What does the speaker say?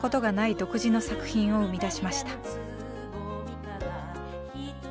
独自の作品を生み出しました。